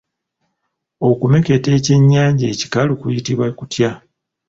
Okumeketa ekyennyanja ekikalu kuyitibwa kutya?